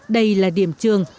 đây là điểm trường